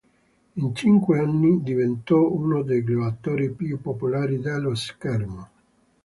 In cinque anni, diventò uno degli attori più popolari dello schermo.